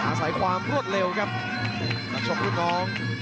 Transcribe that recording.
อาศัยความรวดเร็วครับนักชกรุ่นน้อง